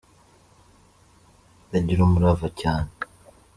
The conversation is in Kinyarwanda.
bagira umurava cyane.